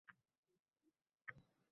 Yaxshi kitob o‘qisangiz mazza qilasiz-ku!